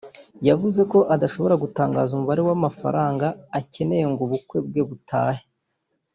yavuze ko adashobora gutangaza umubare w’amafaranga akeneye ngo ubukwe bwe butahe